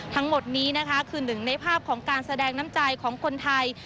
ทั้งหมดนี้นะคะคือหนึ่งในภาพของการแสดงน้ำใจของคนไทย